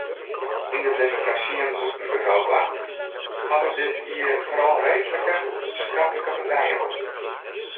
Yn de demokrasyen bûten Europa hawwe dit jier foaral reedlike, skaplike partijen wûn.